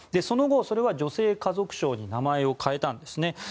その後、それは女性家族省に名前を変えたんですね。